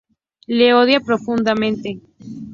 Le odia profundamente.